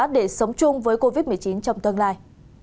để sống chung với covid một mươi chín trong tương lai